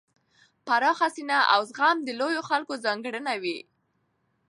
پراخه سینه او زغم د لویو خلکو ځانګړنه وي.